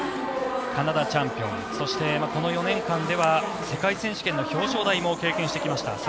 カナダチャンピオンそして、この４年間では世界選手権の表彰台も経験してきました。